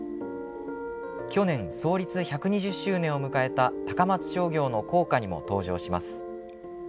去年、創立１２０周年を迎えた高松商業の校歌にも登場します。